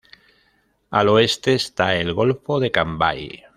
Al oeste está el golfo de Cambay.